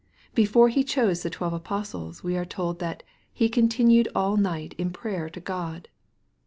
Before He chose the twelve apostles, we are told that " He continued all night in prayer to God."